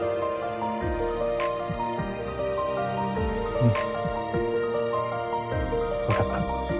うん分かった。